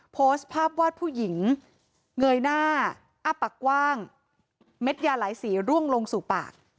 โพสต์ภาพวาดผู้หญิงเงยหน้าอ้าปากกว้างเม็ดยาหลายสีร่วงลงสู่ปาก